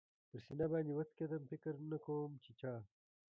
پر سینه باندې و څکېدم، فکر نه کوم چې چا.